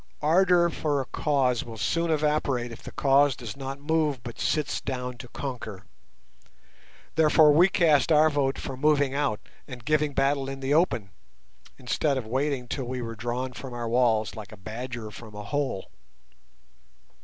Ardour for a cause will soon evaporate if the cause does not move but sits down to conquer. Therefore we cast our vote for moving out and giving battle in the open, instead of waiting till we were drawn from our walls like a badger from a hole.